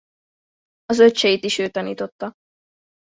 Az öccseit is ő tanította.